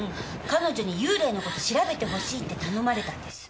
彼女に幽霊のこと調べてほしいって頼まれたんです。